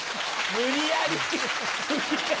無理やり！